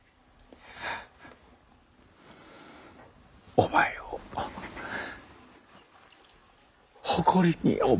お前を誇りに思ってる。